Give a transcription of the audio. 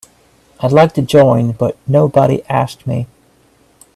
I'd like to join but nobody asked me.